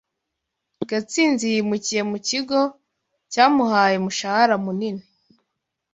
Gatsinzi yimukiye mu kigo cyamuhaye umushahara munini.